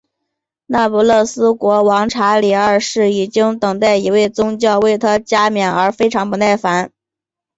那不勒斯国王查理二世已经等待一位教宗为他加冕而非常不耐烦。